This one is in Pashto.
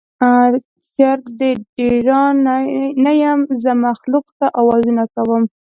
چرګ د ډیران نه یم، زه مخلوق ته اوازونه کوم